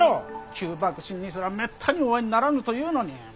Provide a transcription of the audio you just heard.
旧幕臣にすらめったにお会いにならぬというのに。